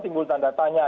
timbul tanda tanya